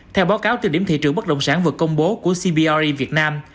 theo báo cáo từ điểm thị trường bất động sản vừa công bố của cbry việt nam